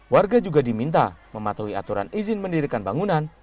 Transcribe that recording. warga juga diminta mematuhi aturan izin mendirikan bangunan